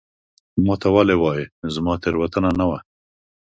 ما ته ولي وایې ؟ زما تېروتنه نه وه